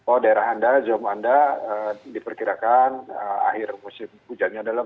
oh daerah anda zoom anda diperkirakan akhir musim hujannya adalah